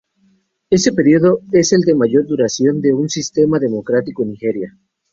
Este periodo es el de mayor duración de un sistema democrático en Nigeria.